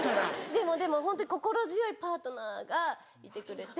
でもでもホントに心強いパートナーがいてくれて。